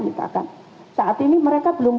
misalkan saat ini mereka belum